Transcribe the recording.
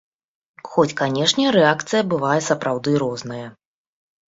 Хоць, канешне, рэакцыя бывае сапраўды розная.